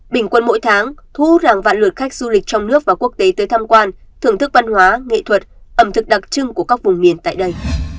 bình quân mỗi tháng thu hút hàng vạn lượt khách du lịch trong nước và quốc tế tới tham quan thưởng thức văn hóa nghệ thuật ẩm thực đặc trưng của các vùng miền tại đây